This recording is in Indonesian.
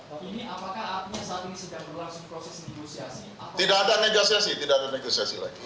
ini apakah saat ini sedang berlangsung proses negosiasi tidak ada negosiasi tidak ada negosiasi